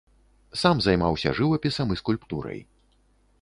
Сам займаўся жывапісам і скульптурай.